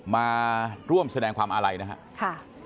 มาร่วมแสดงความอาลัยนะครับ